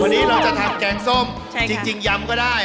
วันนี้เราจะทำแกงส้มจริงยำก็ได้